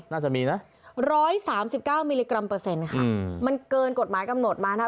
น่าจะมีนะ๑๓๙มิลลิกรัมเปอร์เซ็นต์ค่ะมันเกินกฎหมายกำหนดมานะ